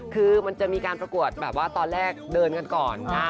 คือมันจะมีการประกวดแบบว่าตอนแรกเดินกันก่อน